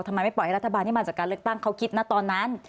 ทำไมไม่ปล่อยให้รัฐบาลที่มาจากการเลือกตั้งเขาคิดนะตอนนั้น